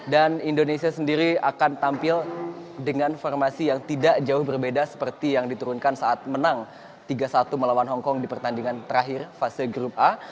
dan indonesia sendiri akan tampil dengan formasi yang tidak jauh berbeda seperti yang diturunkan saat menang tiga satu melawan hongkong di pertandingan terakhir fase grup a